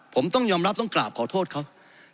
ผมต้องยอมรับต้องกราบขอโทษเขา